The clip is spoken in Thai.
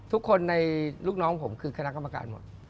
ทุกคนในลูกน้องผมคือคณะกรรมการหมด